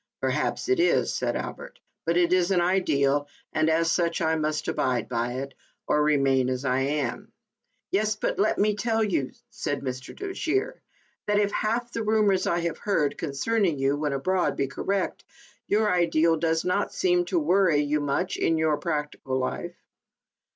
" Perhaps it is," said Albert, "but it is an ideal, and as such I must abide by it, or remain as I am." " Yes ; but le' me tell you," said Mr. Dojere, " that if half the rumors I have heard concern ing you when abroad be correct, your ideal does 18 ALICE ; OR, THE WAGES OF SIN. not seem to worry you much in your practical life."